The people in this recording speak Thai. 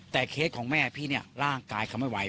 แต่เคสของแม่พี่เนี่ยร่างกายเขาไม่ไหว